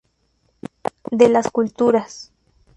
De Las Culturas.